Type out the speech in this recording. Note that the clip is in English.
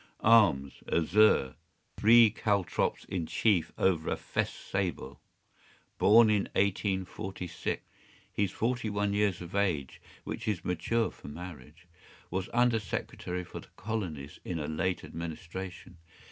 Arms: Azure, three caltrops in chief over a fess sable. Born in 1846. He’s forty one years of age, which is mature for marriage. Was Undersecretary for the Colonies in a late Administration.